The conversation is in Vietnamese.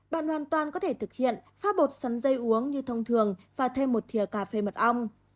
bạn hoàn toàn có thể thực hiện phát bột sắn dây uống như thông thường và thêm một thiều cà phê mật ong